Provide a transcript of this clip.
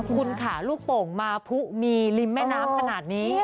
คุณค่ะลูกโป่งมาพุมีริมแม่น้ำขนาดนี้